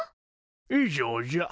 以上じゃ。